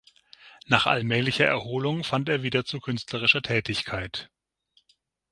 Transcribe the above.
Nach allmählicher Erholung fand er wieder zu künstlerischer Tätigkeit.